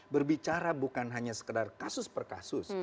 berbicara bukan hanya sekedar kasus per kasus